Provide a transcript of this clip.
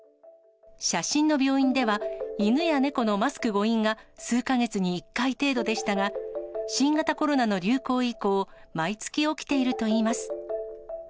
写真の病院では、犬や猫のマスク誤飲が、数か月に１回程度でしたが、新型コロナの流行以降、毎月起きているといいます。